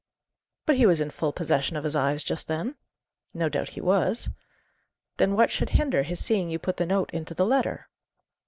"But he was in full possession of his eyes just then?" "No doubt he was." "Then what should hinder his seeing you put the note into the letter?"